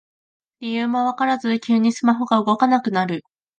理由もわからず急にスマホが動かなくなる